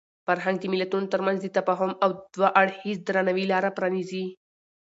فرهنګ د ملتونو ترمنځ د تفاهم او دوه اړخیز درناوي لاره پرانیزي.